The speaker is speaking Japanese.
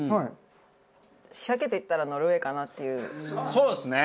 そうっすね！